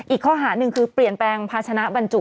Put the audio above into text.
อีกข้อหาหนึ่งคือเปลี่ยนแปลงภาชนะบรรจุ